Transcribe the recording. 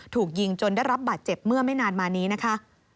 ถูกยิงจนได้รับบาดเจ็บเมื่อไม่นานมานี้นะคะ